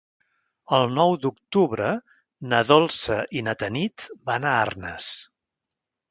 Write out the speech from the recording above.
El nou d'octubre na Dolça i na Tanit van a Arnes.